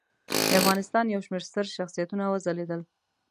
د افغانستان یو شمېر ستر شخصیتونه وځلیدل.